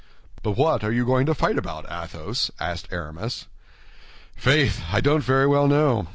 "But what are you going to fight about, Athos?" asked Aramis. "Faith! I don't very well know.